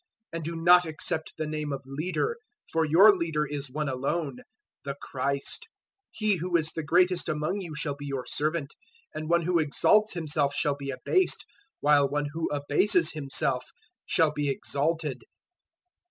023:010 And do not accept the name of `leader,' for your Leader is one alone the Christ. 023:011 He who is the greatest among you shall be your servant; 023:012 and one who exalts himself shall be abased, while one who abases himself shall be exalted.